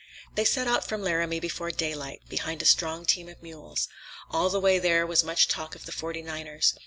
They set out from Laramie before daylight, behind a strong team of mules. All the way there was much talk of the Forty niners.